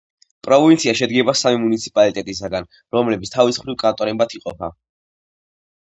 პროვინცია შედგება სამი მუნიციპალიტეტისაგან, რომლებიც თავის მხრივ კანტონებად იყოფა.